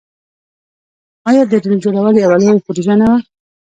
آیا د ریل جوړول یوه لویه پروژه نه وه؟